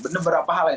beberapa hal lain